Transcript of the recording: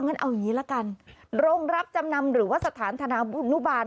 งั้นเอาอย่างนี้ละกันโรงรับจำนำหรือว่าสถานธนาบุญนุบาล